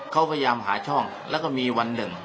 เขาพยายามหาช่องแล้วก็มีวันหนึ่ง